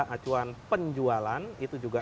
acuan penjualan itu juga